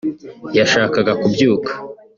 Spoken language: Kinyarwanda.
yashaka kubyuka